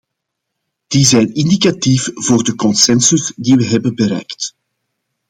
Die zijn indicatief voor de consensus die we hebben bereikt.